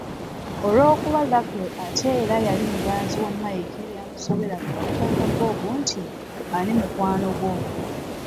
Olw’okuba Lucky ate era yali muganzi wa Mike byamusobera kwe kugamba Bob nti, “Ani mukwano gwo?''